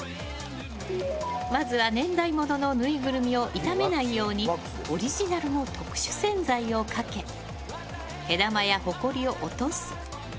まずは年代物のぬいぐるみを傷めないようにオリジナルの特殊洗剤をかけ毛玉やほこりを落とす。